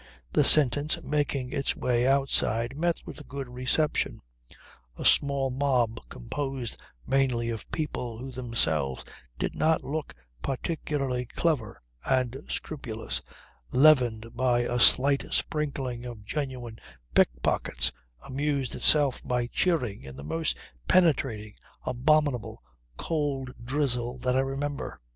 The sentence making its way outside met with a good reception. A small mob composed mainly of people who themselves did not look particularly clever and scrupulous, leavened by a slight sprinkling of genuine pickpockets amused itself by cheering in the most penetrating, abominable cold drizzle that I remember.